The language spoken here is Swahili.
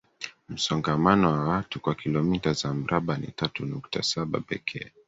msongamano wa watu kwa kilometa za mraba ni tatu nukta saba pekee